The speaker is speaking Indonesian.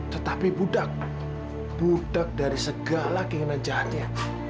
tetapi budak budak dari segala keinginan jahatnya